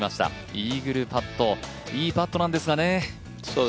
イーグルパット、いいパットなんですがね。